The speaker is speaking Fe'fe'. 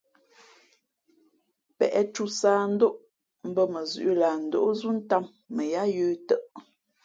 Pěʼtū sáhndóʼ mbᾱ mα zʉ̌ʼ lah ndóʼ zú ntām mα yāā yə̄ tαʼ.